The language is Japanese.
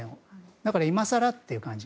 だから今更っていう感じ。